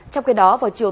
trong khi đó vào chiều tối